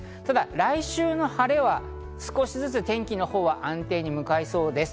ただ来週の晴れは少しずつ天気のほうは安定に向かいそうです。